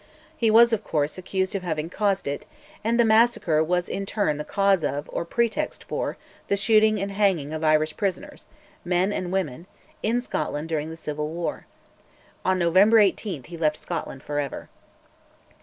He was, of course, accused of having caused it, and the massacre was in turn the cause of, or pretext for, the shooting and hanging of Irish prisoners men and women in Scotland during the civil war. On November 18 he left Scotland for ever.